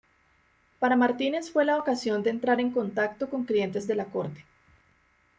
Para Martínez fue la ocasión de entrar en contacto con clientes de la Corte.